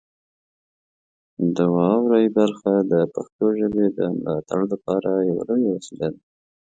د واورئ برخه د پښتو ژبې د ملاتړ لپاره یوه لویه وسیله ده.